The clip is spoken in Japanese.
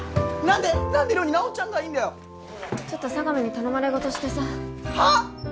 何で何で寮に奈緒ちゃんがいんだよちょっと佐神に頼まれ事してさはっ！？